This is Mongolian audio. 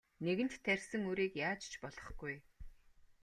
Нэгэнт тарьсан үрийг яаж ч болохгүй.